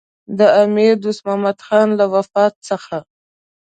د امیر دوست محمدخان له وفات څخه.